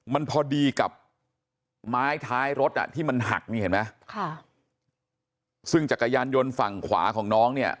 มันพอดีกับไม้ท้ายรถอ่ะที่มันหักนี่เห็นไหมค่ะซึ่งจักรยานยนต์ฝั่งขวาของน้องเนี่ย